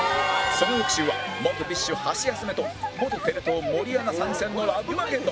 その翌週は元 ＢｉＳＨ ハシヤスメと元テレ東森アナ参戦のラブマゲドン